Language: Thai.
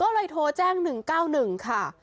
ก็เลยโทรแจ้ง๑๙๑ค่ะ